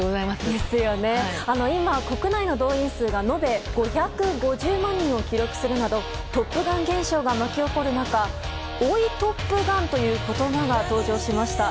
今、国内の動員数が延べ５５０万人を記録するなどトップガン現象が巻き起こる中追いトップガンという言葉が登場しました。